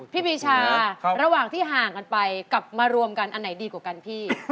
พี่ปีชาระหว่างที่ห่างกันไปกลับมารวมกันอันไหนดีกว่ากันพี่